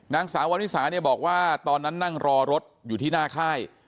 นางสาววาริสาเนี่ยบอกว่าตอนนั้นนั่งรอรถอยู่ที่หน้าค่าย